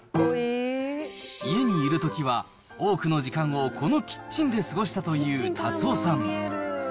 家にいるときは、多くの時間をこのキッチンで過ごしたという辰夫さん。